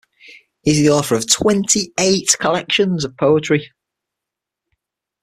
He is the author of twenty-eight collections of poetry.